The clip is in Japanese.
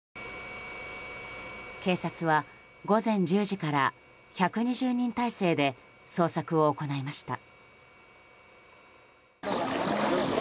警察は午前１０時から１２０人態勢で捜索を行いました。